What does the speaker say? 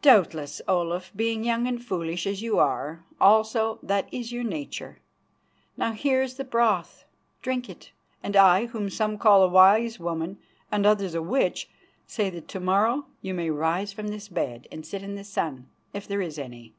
"Doubtless, Olaf, being young and foolish, as you are; also that is your nature. Now here is the broth. Drink it, and I, whom some call a wise woman and others a witch, say that to morrow you may rise from this bed and sit in the sun, if there is any."